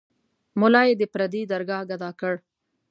ملا یې د پردي درګاه ګدا کړ.